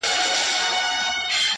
د سرو شرابو د خُمونو د غوغا لوري!